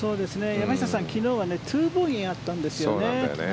山下さん、昨日は２ボギーあったんですよね。